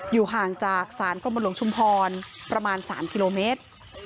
อยู่ห่างจากสารประมงลงชุมพรประมาณ๓กิโลเมตร